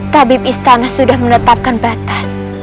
tabib istana sudah menetapkan batas